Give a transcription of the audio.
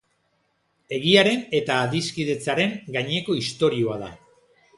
Egiaren eta adiskidetzearen gaineko istorioa da.